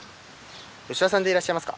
吉田さんでいらっしゃいますか？